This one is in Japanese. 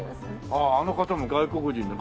あああの方も外国人だ。